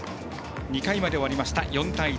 ２回まで終わりまして４対１。